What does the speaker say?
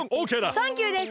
サンキューです！